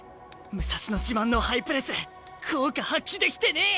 武蔵野自慢のハイプレス効果発揮できてねえ！